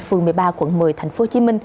phường một mươi ba quận một mươi tp hcm